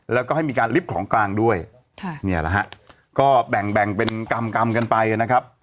แล้วก็ให้มีการลึกของกลางด้วยนี่แหละฮะก็แบ่งเป็นกลำกันไปนะครับ